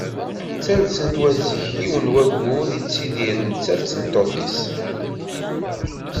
Ttalsen-d wat zik ɣef yiwen n waggur yettidir netta d tmeṭṭut-is.